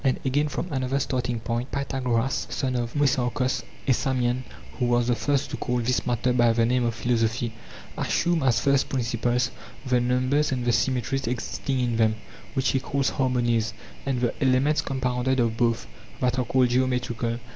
280. And again from another starting point, Pythagoras, son of Mnesarchos, a Samian, who was the first to call this matter by the name of philosophy, assumed as first principles the numbers and 144 THE FIRST PHILOSOPHERS OF GREECE the symmetries existing in them, which he calls har monies, and the elements compounded of both, that are called geometrical.